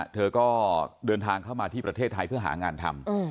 เธอก็เดินทางเข้ามาที่ประเทศไทยเพื่อหางานทำ